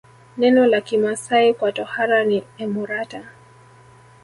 Neno la Kimasai kwa tohara ni emorata